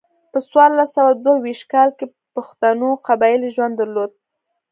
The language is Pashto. په څوارلس سوه دوه ویشت کال کې پښتنو قبایلي ژوند درلود.